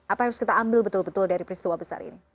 apa yang harus kita ambil betul betul dari peristiwa besar ini